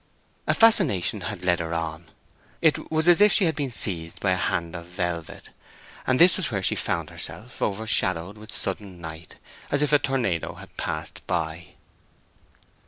A fascination had led her on; it was as if she had been seized by a hand of velvet; and this was where she found herself—overshadowed with sudden night, as if a tornado had passed by.